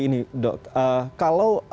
ini dok kalau